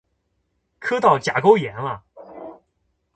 磕到甲沟炎了！